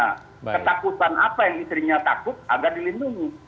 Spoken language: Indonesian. nah ketakutan apa yang istrinya takut agar dilindungi